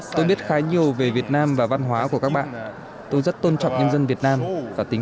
tôi biết khá nhiều về việt nam và văn hóa của các bạn tôi rất tôn trọng nhân dân việt nam và tính